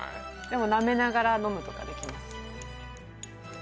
でもなめながら飲むとかできます